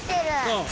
そう。